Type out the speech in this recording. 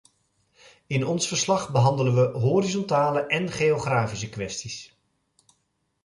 In ons verslag behandelen we horizontale en geografische kwesties.